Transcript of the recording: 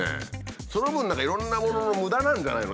その分何かいろんなものの無駄なんじゃないの？